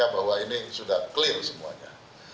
bahwa ini sudah clear semuanya